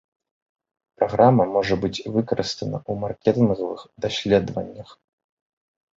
Праграма можа быць выкарыстана ў маркетынгавых даследаваннях.